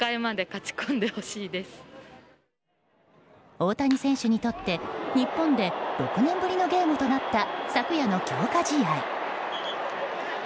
大谷選手にとって日本で６年ぶりのゲームとなった昨夜の強化試合。